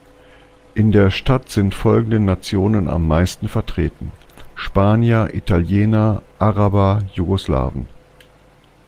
In der Stadt sind folgende Nationen am meisten vertreten: Spanier, Italiener, Araber, Jugoslawen.